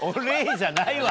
じゃないわ！